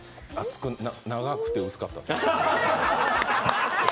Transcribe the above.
長くて薄かった。